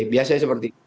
biasanya seperti itu